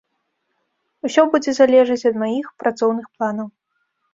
Усё будзе залежыць ад маіх працоўных планаў.